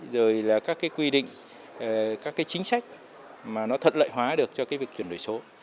rồi là các cái quy định các cái chính sách mà nó thật lợi hóa được cho cái việc chuyển đổi số